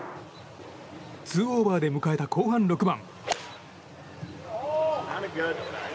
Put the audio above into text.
２オーバーで迎えた後半６番。